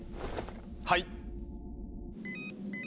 はい。